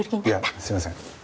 いやすいません。